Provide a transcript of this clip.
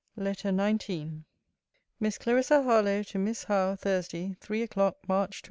LETTER XIX MISS CLARISSA HARLOWE, TO MISS HOWE THURSDAY, THREE O'CLOCK, MARCH 28.